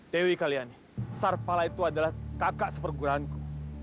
dewi kalian sarpala itu adalah kakak seperguraanku